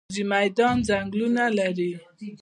د جاجي میدان ځنګلونه لري